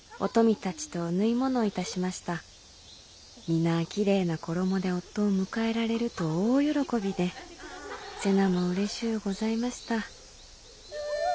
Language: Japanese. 皆きれいな衣で夫を迎えられると大喜びで瀬名もうれしゅうございました」。